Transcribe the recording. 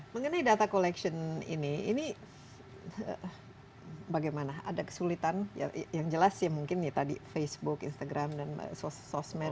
mengenai data collection ini ini bagaimana ada kesulitan yang jelas ya mungkin ya tadi facebook instagram dan sosmed